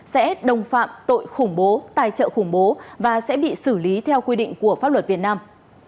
sẽ đồng phạm tội khủng bố tài trợ khủng bố và sẽ bị xử lý theo quy định của pháp luật việt nam